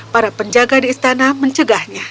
para penjaga di istana mencegahnya